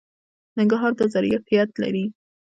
ننګرهار دا ظرفیت لري.